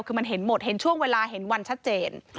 คือมันเห็นหมดเห็นช่วงเวลาเห็นวันชัดเจน